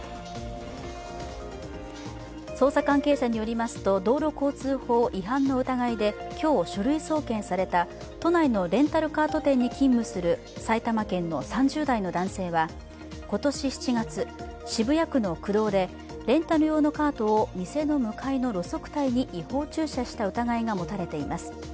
捜査関係者によりますと道路交通法違反の疑いで今日、書類送検された、都内のレンタルカート店に勤務する埼玉県の３０代の男性は今年７月、渋谷区の区道で、レンタル用のカートを店の向かいの路側帯に違法駐車した疑いが持たれています。